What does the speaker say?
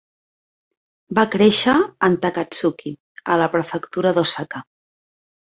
Va créixer en Takatsuki, a la prefectura d'Osaka.